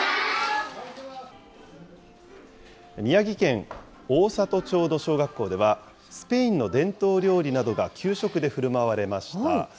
宮城県大郷町の小学校では、スペインの伝統料理などが給食でふるまわれました。